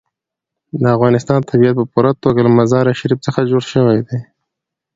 د افغانستان طبیعت په پوره توګه له مزارشریف څخه جوړ شوی دی.